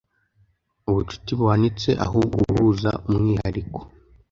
ubucuti buhanitse ahubwo guhuza umwihariko